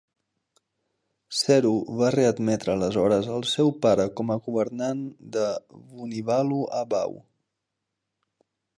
Seru va readmetre aleshores el seu pare com a governant Vunivalu a Bau.